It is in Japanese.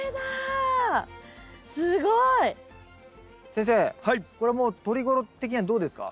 先生これもうとり頃的にはどうですか？